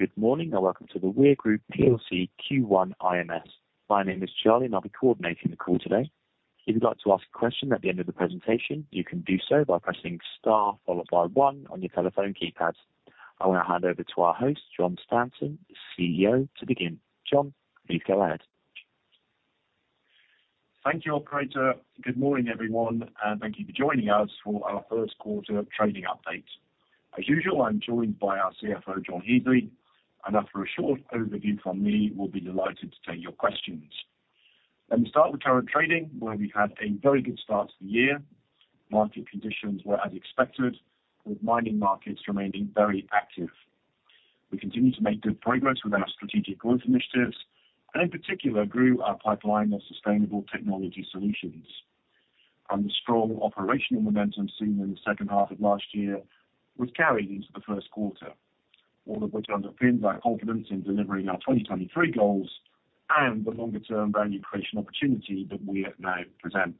Good morning. Welcome to The Weir Group PLC Q1 IMS. My name is Charlie, and I'll be coordinating the call today. If you'd like to ask a question at the end of the presentation, you can do so by pressing Star followed by One on your telephone keypad. I wanna hand over to our host, Jon Stanton, the CEO, to begin. Jon, please go ahead. Thank you, operator. Good morning, everyone, and thank you for joining us for our first quarter trading update. As usual, I'm joined by our CFO, John Heasley, and after a short overview from me, we'll be delighted to take your questions. Let me start with current trading, where we had a very good start to the year. Market conditions were as expected, with mining markets remaining very active. We continued to make good progress with our strategic growth initiatives, and in particular, grew our pipeline of sustainable technology solutions. The strong operational momentum seen in the second half of last year was carried into the first quarter, all of which underpinned our confidence in delivering our 2023 goals and the longer term value creation opportunity that we at now present.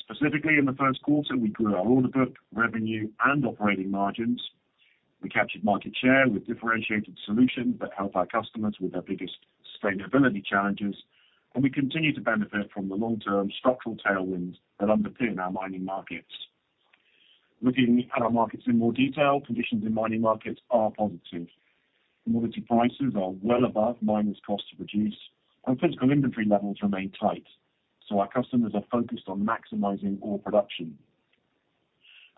Specifically, in the first quarter, we grew our order book, revenue, and operating margins. We captured market share with differentiated solutions that help our customers with their biggest sustainability challenges. We continue to benefit from the long-term structural tailwinds that underpin our mining markets. Looking at our markets in more detail, conditions in mining markets are positive. Commodity prices are well above miners' cost to produce. Physical inventory levels remain tight. Our customers are focused on maximizing ore production.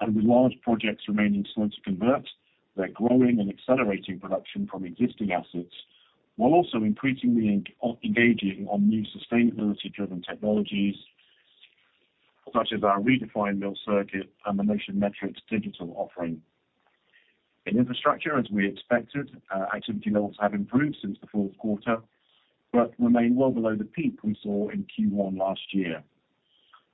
With large projects remaining slow to convert, they're growing and accelerating production from existing assets, while also increasingly engaging on new sustainability-driven technologies, such as our Redefined Mill Circuit and the Motion Metrics digital offering. In infrastructure, as we expected, activity levels have improved since the fourth quarter, remain well below the peak we saw in Q1 last year.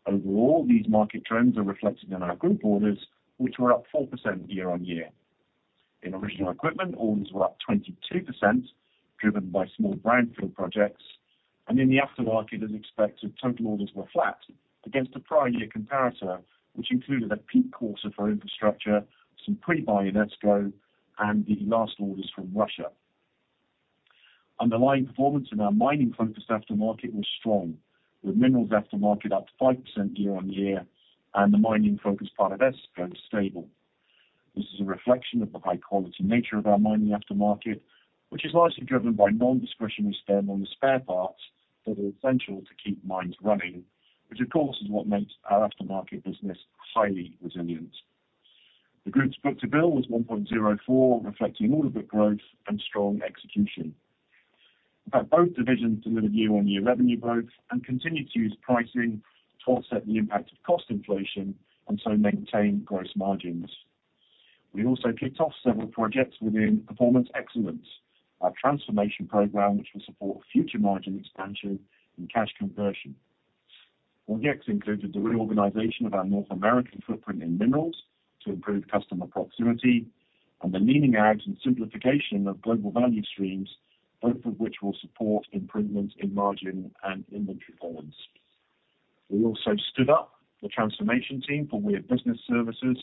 Overall, these market trends are reflected in our group orders, which were up 4% year-on-year. In original equipment, orders were up 22%, driven by small brownfield projects. In the aftermarket, as expected, total orders were flat against the prior year comparator, which included a peak quarter for infrastructure, some pre-buy in ESCO, and the last orders from Russia. Underlying performance in our mining-focused aftermarket was strong, with minerals aftermarket up 5% year-on-year, and the mining-focused part of ESCO stable. This is a reflection of the high-quality nature of our mining aftermarket, which is largely driven by non-discretionary spend on spare parts that are essential to keep mines running, which of course is what makes our aftermarket business highly resilient. The group's book-to-bill was 1.04, reflecting order book growth and strong execution. In fact, both divisions delivered year-on-year revenue growth and continued to use pricing to offset the impact of cost inflation to maintain gross margins. We also kicked off several projects within Performance Excellence, our transformation program, which will support future margin expansion and cash conversion. Projects included the reorganization of our North American footprint in minerals to improve customer proximity and the leaning out and simplification of global value streams, both of which will support improvement in margin and inventory performance. We also stood up the transformation team for Weir Business Services,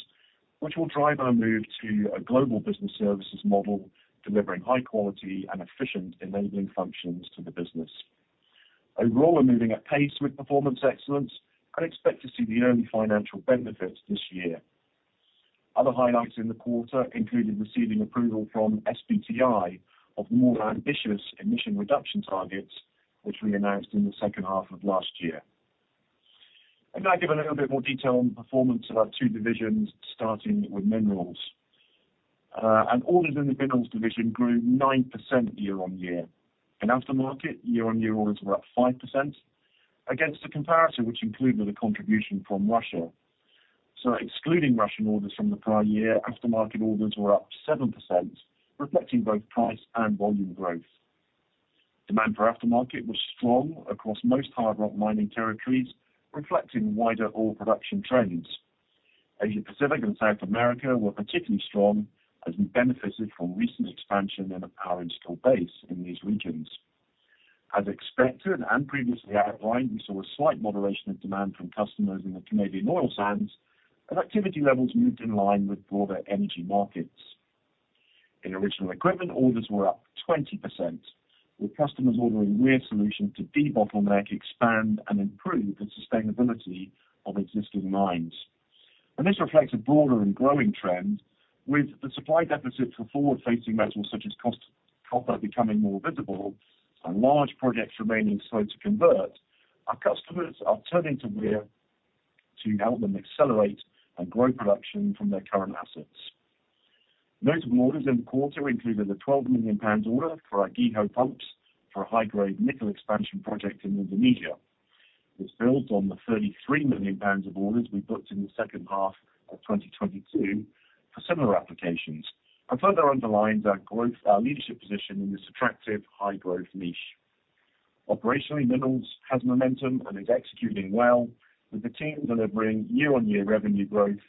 which will drive our move to a global business services model, delivering high quality and efficient enabling functions to the business. Overall, we're moving at pace with Performance Excellence and expect to see the early financial benefits this year. Other highlights in the quarter included receiving approval from SBTi of more ambitious emission reduction targets, which we announced in the second half of last year. I'd like give a little bit more detail on the performance of our two divisions, starting with Minerals. Orders in the Minerals division grew 9% year-on-year. In aftermarket, year-on-year orders were up 5% against a comparator which included a contribution from Russia. Excluding Russian orders from the prior year, aftermarket orders were up 7%, reflecting both price and volume growth. Demand for aftermarket was strong across most hard rock mining territories, reflecting wider ore production trends. Asia Pacific and South America were particularly strong as we benefited from recent expansion of our installed base in these regions. As expected and previously outlined, we saw a slight moderation of demand from customers in the Canadian oil sands, and activity levels moved in line with broader energy markets. In original equipment, orders were up 20%, with customers ordering Weir solutions to debottleneck, expand, and improve the sustainability of existing mines. This reflects a broader and growing trend. With the supply deficit for forward-facing metals such as copper becoming more visible and large projects remaining slow to convert, our customers are turning to Weir to help them accelerate and grow production from their current assets. Notable orders in the quarter included a 12 million pounds order for our GEHO pumps for a high-grade nickel expansion project in Indonesia, which builds on the 33 million pounds of orders we booked in the second half of 2022 for similar applications, and further underlines our leadership position in this attractive high-growth niche. Operationally, minerals has momentum and is executing well, with the team delivering year-on-year revenue growth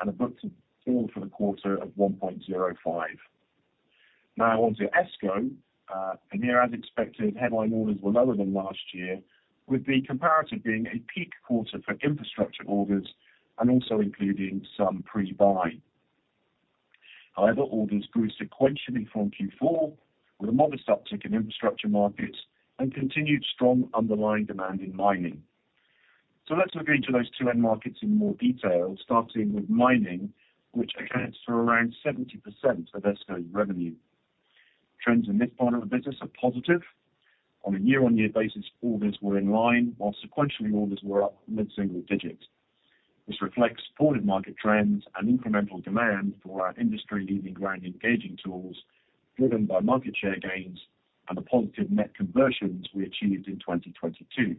and a book-to-bill for the quarter of 1.05. Onto ESCO. Here, as expected, headline orders were lower than last year, with the comparative being a peak quarter for infrastructure orders. Also including some pre-buy. However, orders grew sequentially from Q4, with a modest uptick in infrastructure markets and continued strong underlying demand in mining. Let's look into those two end markets in more detail, starting with mining, which accounts for around 70% of ESCO's revenue. Trends in this part of the business are positive. On a year-on-year basis, orders were in line, while sequentially orders were up mid-single digits. This reflects supportive market trends and incremental demand for our industry-leading ground engaging tools driven by market share gains and the positive net conversions we achieved in 2022.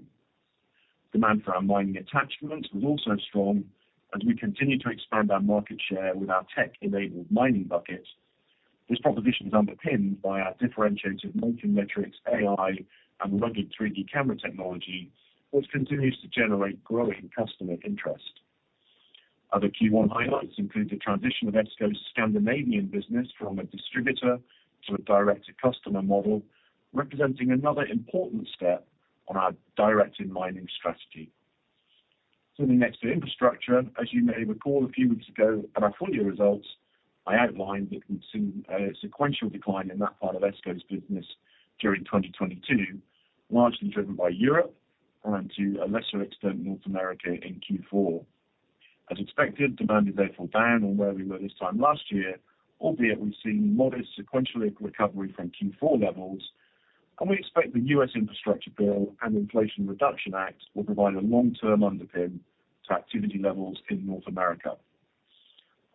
Demand for our mining attachments was also strong as we continue to expand our market share with our tech-enabled mining buckets. This proposition is underpinned by our differentiated Motion Metrics, AI, and rugged 3-D camera technology, which continues to generate growing customer interest. Other Q1 highlights include the transition of ESCO's Scandinavian business from a distributor to a direct-to-customer model, representing another important step on our direct in mining strategy. Turning next to infrastructure. As you may recall a few weeks ago at our full year results, I outlined that we've seen a sequential decline in that part of ESCO's business during 2022, largely driven by Europe and to a lesser extent, North America in Q4. As expected, demand is therefore down on where we were this time last year, albeit we've seen modest sequential recovery from Q4 levels. We expect the U.S. Infrastructure Bill and Inflation Reduction Act will provide a long-term underpin to activity levels in North America.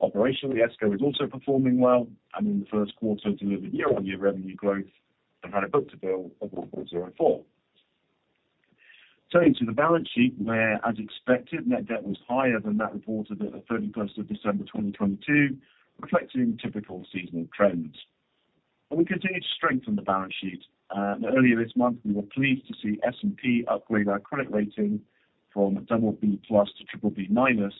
Operationally, ESCO is also performing well and in the first quarter delivered year-on-year revenue growth and had a book-to-bill of 1.04. Turning to the balance sheet where, as expected, net debt was higher than that reported at the 31st of December 2022, reflecting typical seasonal trends. We continue to strengthen the balance sheet. Earlier this month, we were pleased to see S&P upgrade our credit rating from BB+ to BBB-,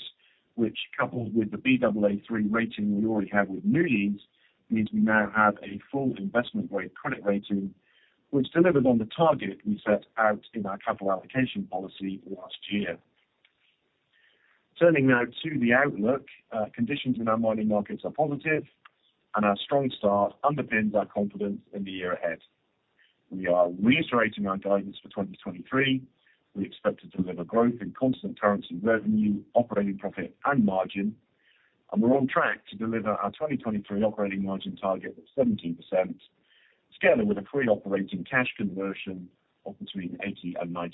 which coupled with the Baa3 rating we already have with Moody's, means we now have a full investment-grade credit rating which delivered on the target we set out in our capital allocation policy last year. Turning now to the outlook, conditions in our mining markets are positive and our strong start underpins our confidence in the year ahead. We are reiterating our guidance for 2023. We expect to deliver growth in constant currency, revenue, operating profit and margin, and we're on track to deliver our 2023 operating margin target of 17%, scaling with a operating cash conversion of between 80% and 90%.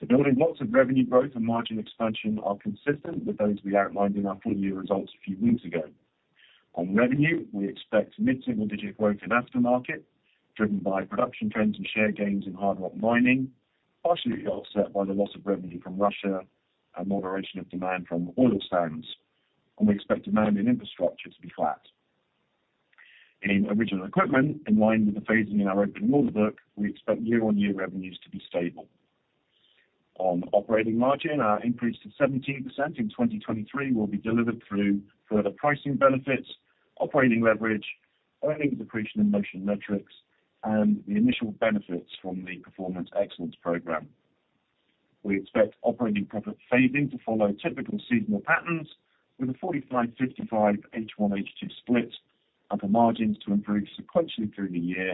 The building blocks of revenue growth and margin expansion are consistent with those we outlined in our full year results a few weeks ago. On revenue, we expect mid-single-digit growth in aftermarket, driven by production trends and share gains in hard rock mining, partially offset by the loss of revenue from Russia and moderation of demand from oil sands. We expect demand in infrastructure to be flat. In original equipment, in line with the phasing in our open order book, we expect year-on-year revenues to be stable. On operating margin, our increase to 17% in 2023 will be delivered through further pricing benefits, operating leverage, earnings depreciation in Motion Metrics, and the initial benefits from the Performance Excellence program. We expect operating profit phasing to follow typical seasonal patterns with a 45-55 H1 H2 split, for margins to improve sequentially through the year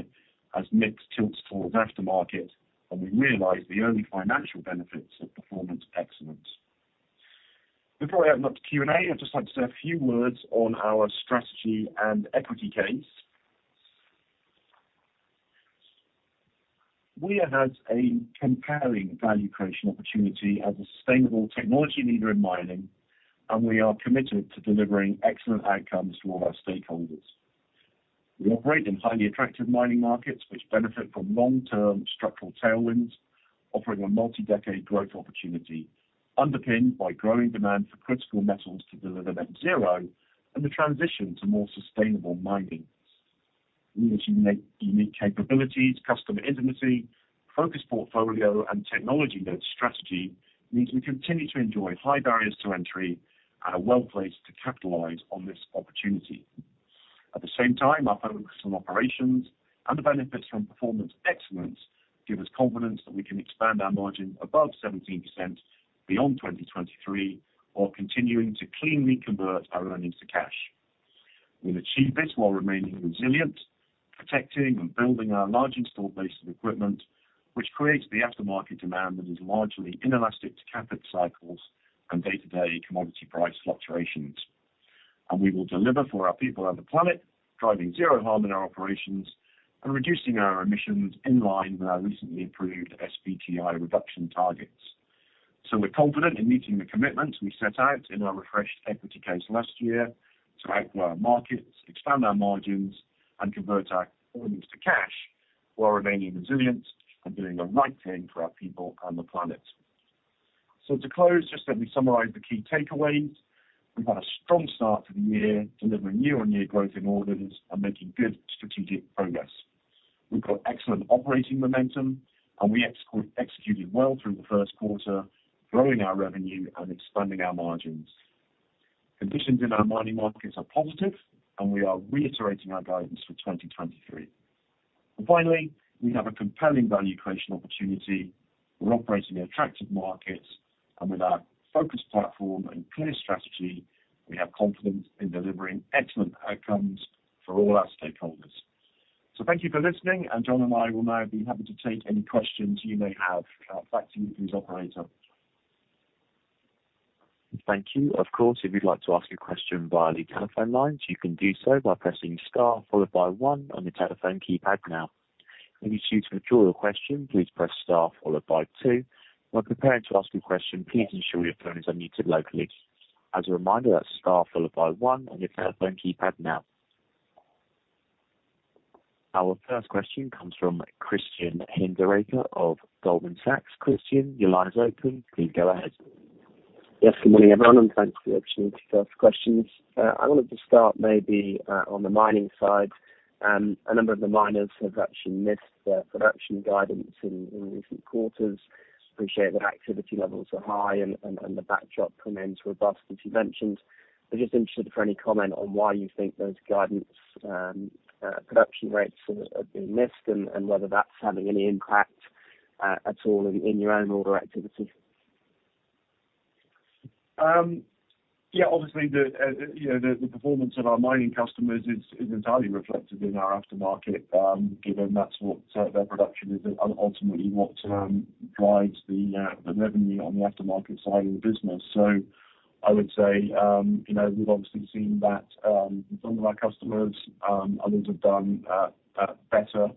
as mix tilts towards aftermarket and we realize the early financial benefits of Performance Excellence. Before I open up to Q&A, I'd just like to say a few words on our strategy and equity case. We have a compelling value creation opportunity as a sustainable technology leader in mining, we are committed to delivering excellent outcomes to all our stakeholders. We operate in highly attractive mining markets which benefit from long-term structural tailwinds, offering a multi-decade growth opportunity underpinned by growing demand for critical metals to deliver net zero and the transition to more sustainable mining. Unique capabilities, customer intimacy, focused portfolio and technology-led strategy means we continue to enjoy high barriers to entry and are well-placed to capitalize on this opportunity. At the same time, our focus on operations and the benefits from Performance Excellence give us confidence that we can expand our margin above 17% beyond 2023, while continuing to cleanly convert our earnings to cash. We'll achieve this while remaining resilient, protecting and building our large installed base of equipment, which creates the aftermarket demand that is largely inelastic to CapEx cycles and day-to-day commodity price fluctuations. We will deliver for our people and the planet, driving zero harm in our operations and reducing our emissions in line with our recently improved SBTi reduction targets. We're confident in meeting the commitments we set out in our refreshed equity case last year to outgrow our markets, expand our margins, and convert our earnings to cash while remaining resilient and doing the right thing for our people and the planet. To close, just let me summarize the key takeaways. We've had a strong start to the year, delivering year-on-year growth in orders and making good strategic progress. We've got excellent operating momentum, and we executed well through the first quarter, growing our revenue and expanding our margins. Conditions in our mining markets are positive, and we are reiterating our guidance for 2023. Finally, we have a compelling value creation opportunity. We're operating in attractive markets and with our focused platform and clear strategy, we have confidence in delivering excellent outcomes for all our stakeholders. Thank you for listening, and John and I will now be happy to take any questions you may have. Back to you please, operator. Thank you. Of course, if you'd like to ask a question via the telephone lines, you can do so by pressing star followed by one on your telephone keypad now. If you choose to withdraw your question, please press star followed by two. When preparing to ask your question, please ensure your phone is unmuted locally. As a reminder, that's star followed by one on your telephone keypad now. Our first question comes from Christian Hinderaker of Goldman Sachs. Christian, your line is open. Please go ahead. Good morning, everyone. Thanks for the opportunity to ask questions. I wanted to start maybe on the mining side. A number of the miners have actually missed their production guidance in recent quarters. Appreciate that activity levels are high and the backdrop remains robust, as you mentioned. I'm just interested for any comment on why you think those guidance production rates are being missed and whether that's having any impact at all in your own order activity? Obviously the performance of our mining customers is entirely reflected in our aftermarket, given that's what their production is and ultimately what drives the revenue on the aftermarket side of the business. I would say we've obviously seen that with some of our customers, others have done better,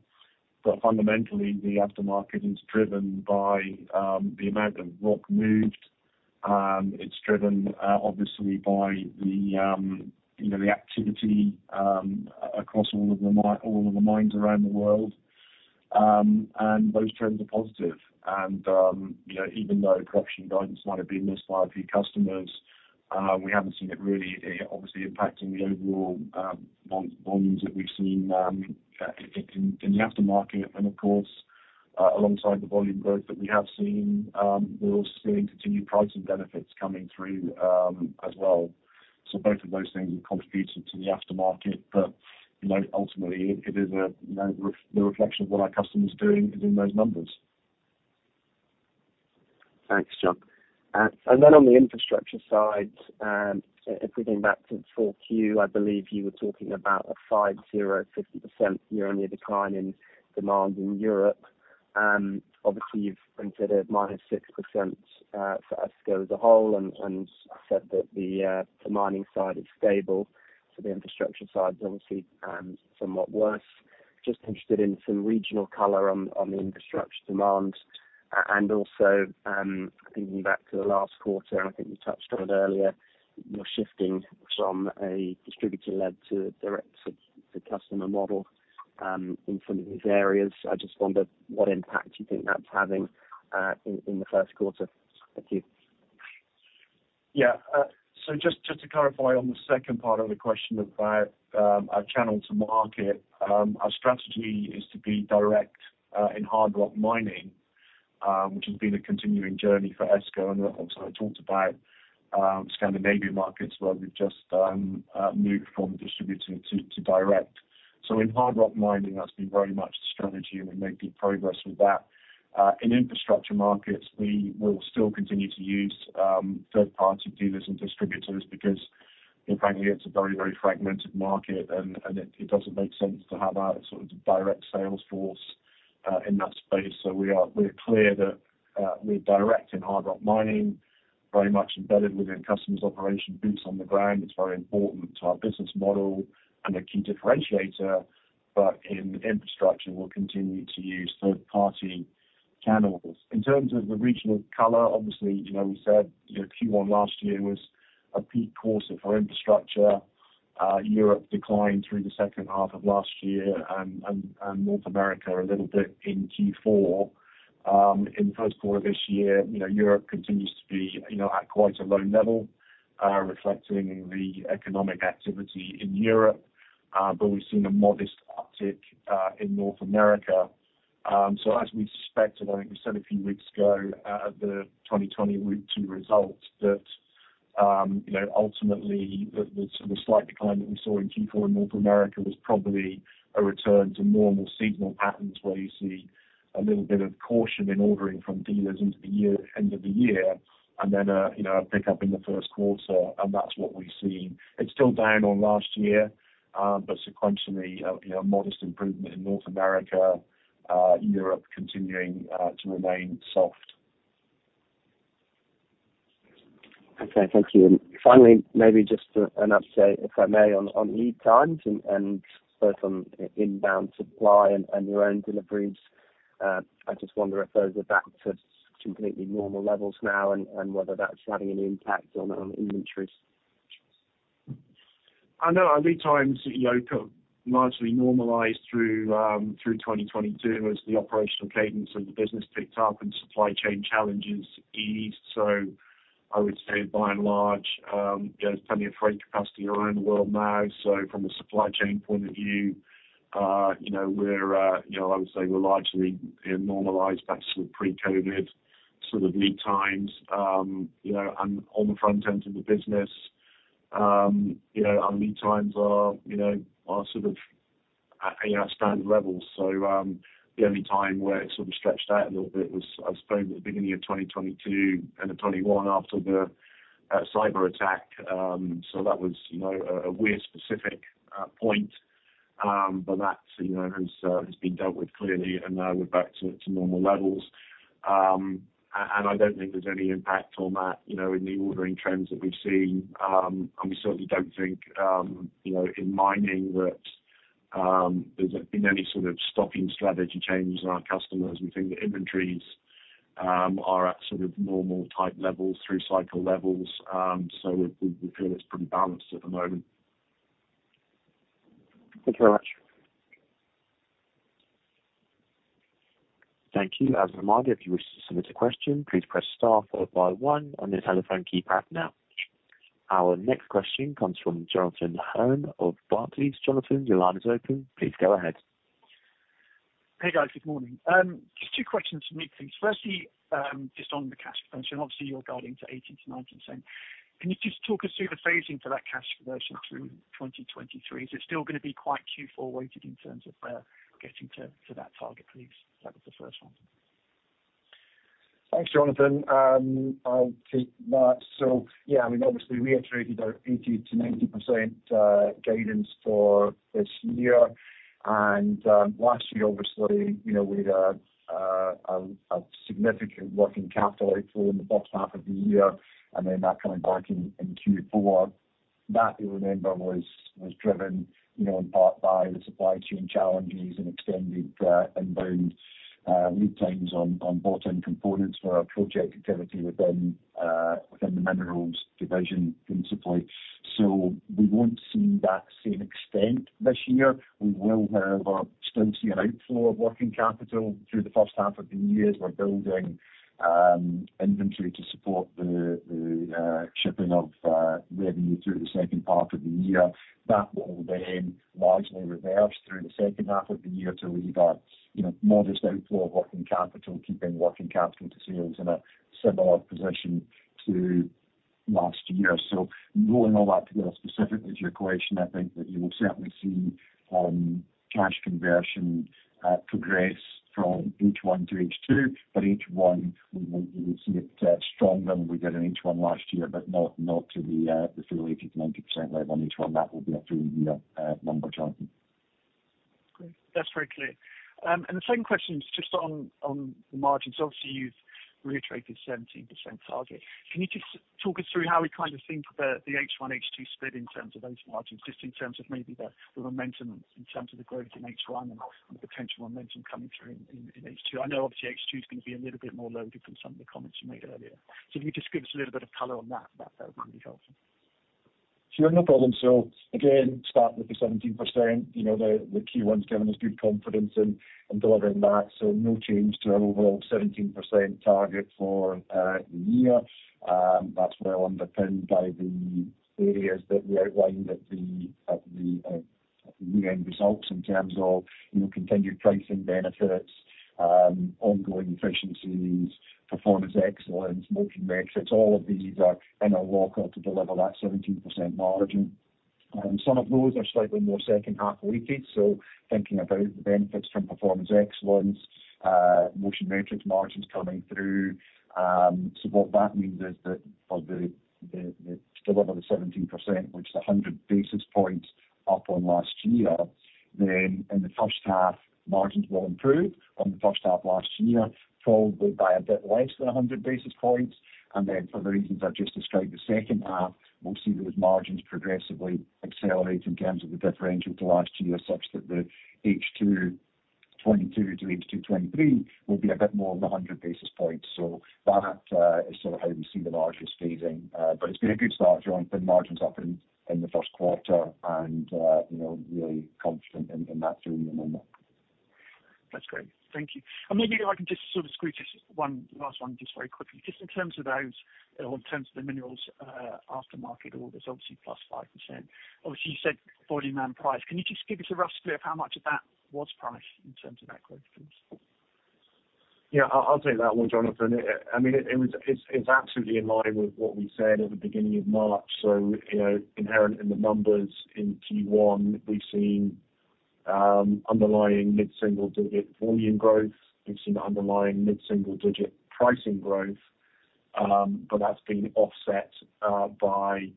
but fundamentally, the aftermarket is driven by the amount of rock moved. It's driven obviously by the activity across all of the mines around the world. Those trends are positive. Even though production guidance might have been missed by a few customers, we haven't seen it really obviously impacting the overall volumes that we've seen in the aftermarket. Of course, alongside the volume growth that we have seen, we're also seeing continued pricing benefits coming through as well. Both of those things have contributed to the aftermarket. You know, ultimately it is a, you know, the reflection of what our customers are doing is in those numbers. Thanks, Jon. Then on the infrastructure side, if we go back to Q4, I believe you were talking about a 50% year-on-year decline in demand in Europe. Obviously you've considered -6% for ESCO as a whole, and said that the mining side is stable, so the infrastructure side is obviously somewhat worse. Just interested in some regional color on the infrastructure demand. Also, thinking back to the last quarter, and I think you touched on it earlier, you're shifting from a distributor-led to a direct to customer model in some of these areas. I just wondered what impact you think that's having in Q1. Thank you. Yeah. Just to clarify on the second part of the question about our channel to market, our strategy is to be direct in hard rock mining, which has been a continuing journey for ESCO. Also I talked about Scandinavia markets where we've just moved from distributor to direct. In hard rock mining, that's been very much the strategy and we're making progress with that. In infrastructure markets, we will still continue to use third party dealers and distributors because frankly, it's a very, very fragmented market and it doesn't make sense to have a sort of direct sales force in that space. We're clear that we're direct in hard rock mining, very much embedded within customers' operation boots on the ground. It's very important to our business model and a key differentiator. In infrastructure, we'll continue to use third-party channels. In terms of the regional color, obviously, you know, we said, you know, Q1 last year was a peak quarter for infrastructure. Europe declined through the second half of last year and North America a little bit in Q4. In the first quarter of this year, you know, Europe continues to be, you know, at quite a low level, reflecting the economic activity in Europe. We've seen a modest uptick in North America. as we suspected, I think we said a few weeks ago, at the 2022 results that, you know, ultimately the sort of slight decline that we saw in Q4 in North America was probably a return to normal seasonal patterns where you see a little bit of caution in ordering from dealers into the end of the year and then, you know, a pickup in the 1st quarter. That's what we've seen. It's still down on last year, but sequentially, you know, modest improvement in North America, Europe continuing to remain soft. Okay, thank you. Finally, maybe just an update, if I may, on lead times and both on inbound supply and your own deliveries. I just wonder if those are back to completely normal levels now and whether that's having any impact on inventories? I know our lead times, you know, got largely normalized through 2022 as the operational cadence of the business picked up and supply chain challenges eased. I would say by and large, there's plenty of freight capacity around the world now. From a supply chain point of view, you know, we're, you know, I would say we're largely, you know, normalized back to sort of pre-COVID. Sort of lead times, you know, and on the front end of the business. You know, our lead times are, you know, are sort of at, you know, standard levels. The only time where it sort of stretched out a little bit was, I suppose, at the beginning of 2022, end of 2021 after the cyberattack. That was, you know, a weird specific point. That, you know, has been dealt with clearly, and now we're back to normal levels. I don't think there's any impact on that, you know, in the ordering trends that we've seen. We certainly don't think, you know, in mining that there's been any sort of stocking strategy changes in our customers. We think the inventories are at sort of normal type levels, through cycle levels. We feel it's pretty balanced at the moment. Thank you very much. Thank you. As a reminder, if you wish to submit a question, please press star followed by one on your telephone keypad now. Our next question comes from Jonathan Hurn of Barclays. Jonathan, your line is open. Please go ahead. Hey, guys. Good morning. Just two questions for me, please. Firstly, just on the cash conversion, obviously you're guiding to 80%-90%. Can you just talk us through the phasing for that cash conversion through 2023? Is it still gonna be quite Q4 weighted in terms of getting to that target, please? That was the first one. Thanks, Jonathan. I'll take that. Yeah, I mean, obviously reiterated our 80%-90% guidance for this year. Last year, obviously, you know, we had a significant working capital outflow in the first half of the year and then that coming back in Q4. That, you remember, was driven, you know, in part by the supply chain challenges and extended inbound lead times on bottom components for our project activity within the minerals division principally. We won't see that same extent this year. We will, however, still see an outflow of working capital through the first half of the year as we're building inventory to support the shipping of revenue through the second part of the year. That will then largely reverse through the second half of the year to leave a, you know, modest outflow of working capital, keeping working capital to sales in a similar position to last year. Rolling all that together specifically to your question, I think that you will certainly see cash conversion progress from H1 to H2. H1, you will see it stronger than we did in H1 last year, but not to the full 80%-90% level on H1. That will be a full year number, Jonathan. Great. That's very clear. The second question is just on the margins. Obviously, you've reiterated 17% target. Can you just talk us through how we kind of think about the H1/H2 split in terms of those margins, just in terms of maybe the momentum in terms of the growth in H1 and the potential momentum coming through in H2? I know obviously H2 is gonna be a little bit more loaded from some of the comments you made earlier. If you could just give us a little bit of color on that would be helpful. Sure, no problem. Again, starting with the 17%, you know, the Q1 is giving us good confidence in delivering that, so no change to our overall 17% target for the year. That's well underpinned by the areas that we outlined at the year-end results in terms of, you know, continued pricing benefits, ongoing efficiencies, Performance Excellence, Motion Metrics. It's all of these are in a lockout to deliver that 17% margin. Some of those are slightly more second half weighted, so thinking about the benefits from Performance Excellence, Motion Metrics margins coming through. What that means is that to deliver the 17%, which is 100 basis points up on last year, then in the first half, margins will improve on the first half last year, followed by a bit less than 100 basis points. For the reasons I just described, the second half, we'll see those margins progressively accelerate in terms of the differential to last year, such that the H2 2022 to H2 2023 will be a bit more of 100 basis points. That is sort of how we see the margins phasing. It's been a good start, Jonathan. Margins up in the first quarter and, you know, really confident in that through the moment. That's great. Thank you. Maybe if I can just sort of squeeze just one last one just very quickly. Just in terms of those or in terms of the minerals, aftermarket orders, obviously +5%. Obviously, you said volume and price. Can you just give us a rough split of how much of that was price in terms of that growth, please? Yeah, I'll take that one, Jonathan. I mean, it's absolutely in line with what we said at the beginning of March. You know, inherent in the numbers in Q1, we've seen underlying mid-single-digit volume growth. We've seen underlying mid-single-digit pricing growth, but that's been offset by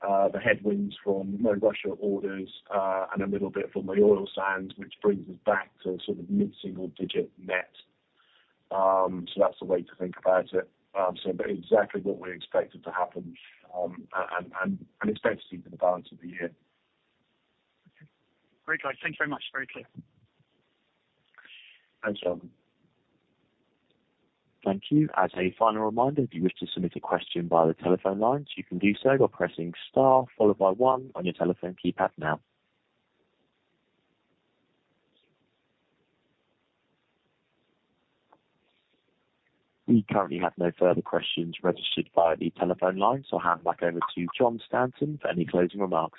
the headwinds from no Russia orders and a little bit from the oil sands, which brings us back to sort of mid-single digit net. That's the way to think about it. But exactly what we expected to happen and expect to see for the balance of the year. Okay. Great, guys. Thank you very much. Very clear. Thanks, Jonathan. Thank you. As a final reminder, if you wish to submit a question via the telephone lines, you can do so by pressing star followed by one on your telephone keypad now. We currently have no further questions registered via the telephone lines, so I'll hand back over to Jon Stanton for any closing remarks.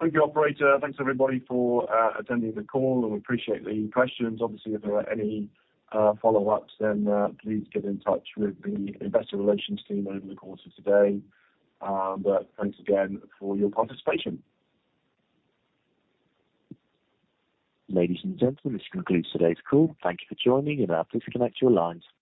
Thank you, operator. Thanks, everybody, for attending the call and we appreciate the questions. Obviously, if there are any follow-ups, then, please get in touch with the investor relations team over the course of today. Thanks again for your participation. Ladies and gentlemen, this concludes today's call. Thank you for joining and now please disconnect your lines.